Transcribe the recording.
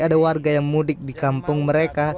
ada warga yang mudik di kampung mereka